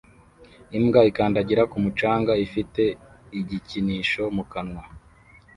Imbwa ikandagira ku mucanga ifite igikinisho mu kanwa